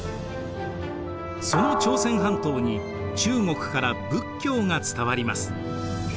その朝鮮半島に中国から仏教が伝わります。